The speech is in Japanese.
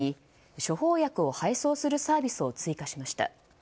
ドクターに処方薬を配送するサービスを追加しました。